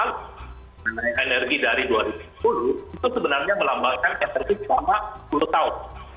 karena energi dari dua ribu sepuluh itu sebenarnya melambangkan energi selama sepuluh tahun